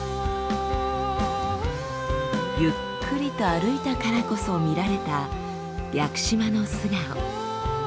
ゆっくりと歩いたからこそ見られた屋久島の素顔。